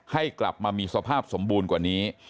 ให้กลับมามีสภาพสมบูรณ์กว่านี้